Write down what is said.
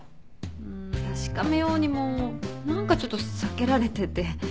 うん確かめようにも何かちょっと避けられてて。